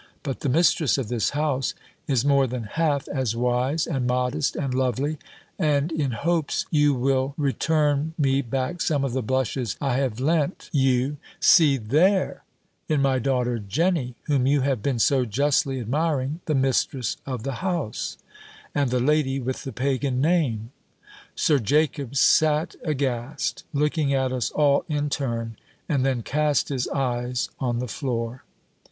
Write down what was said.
But the mistress of this house is more than half as wise, and modest, and lovely: and in hopes you will return me back some of the blushes I have lent you, see there, in my daughter Jenny, whom you have been so justly admiring, the mistress of the house, and the lady with the Pagan name." Sir Jacob sat aghast, looking at us all in turn, and then cast his eyes on the floor.